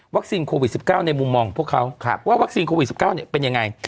โควิด๑๙ในมุมมองของพวกเขาว่าวัคซีนโควิด๑๙เป็นยังไง